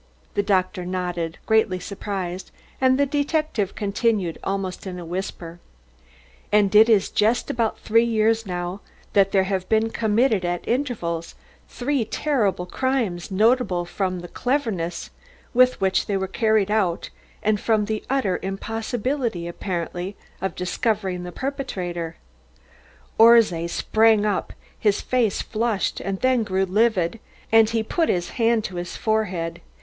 The doctor nodded, greatly surprised, and the detective continued almost in a whisper, "and it is just about three years now that there have been committed, at intervals, three terrible crimes notable from the cleverness with which they were carried out, and from the utter impossibility, apparently, of discovering the perpetrator." Orszay sprang up. His face flushed and then grew livid, and he put his hand to his forehead.